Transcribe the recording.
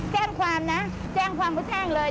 แจ้งความนะแจ้งความก็แจ้งเลย